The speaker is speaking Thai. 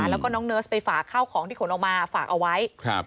แล้วก็น้องเนิร์สไปฝากข้าวของที่ขนออกมาฝากเอาไว้